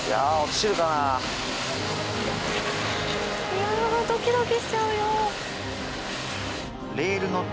いやあドキドキしちゃうよ。